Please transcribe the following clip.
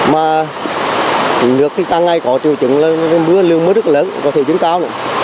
mà nước thì ta ngay có triều trịnh lên lưu lượng rất lớn có thể chứng cao nữa